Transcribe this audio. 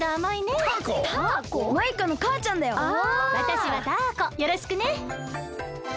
わたしはタアコよろしくね。